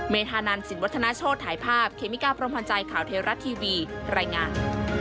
เมธานันต์สินวัฒนาโชธถ่ายภาพเคมิกาประมวัญใจข่าวเทวรัตน์ทีวีรายงาน